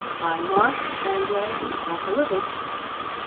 By Mark Andre Raffalovich.